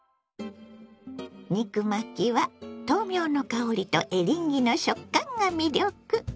肉巻きは豆苗の香りとエリンギの食感が魅力。